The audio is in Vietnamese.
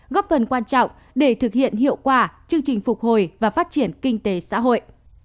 góp phần quan trọng để thực hiện hiệu quả chương trình phục hồi và phát triển kinh tế xã hội